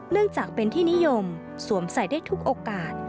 เนื่องจากเป็นที่นิยมสวมใส่ได้ทุกโอกาส